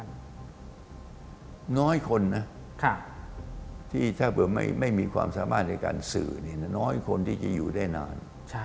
น้อยคนนะที่ถ้าเผื่อไม่มีความสามารถในการสื่อน้อยคนที่จะอยู่ได้นาน